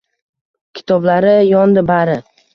Kitoblari yondi bari